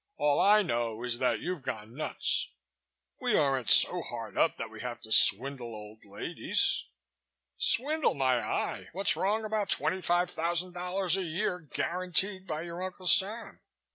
All I know is that you've gone nuts." "We aren't so hard up that we have to swindle old ladies." "Swindle my eye! What's wrong about $25,000 a year guaranteed by your Uncle Sam?"